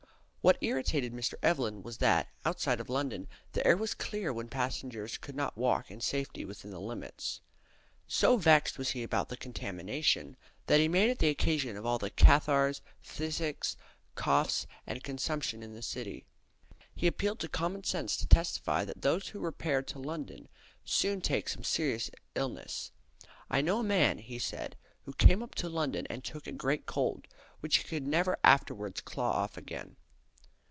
What irritated Mr. Evelyn was that, outside of London, the air was clear when passengers could not walk in safety within the city. So vexed was he about the contamination, that he made it the occasion of all the "cathars, phthisicks, coughs, and consumption in the city." He appealed to common sense to testify that those who repair to London soon take some serious illness. "I know a man," he said, "who came up to London and took a great cold, which he could never afterwards claw off again."